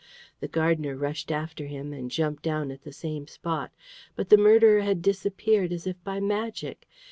The gardener rushed after him, and jumped down at the same spot. But the murderer had disappeared as if by magic.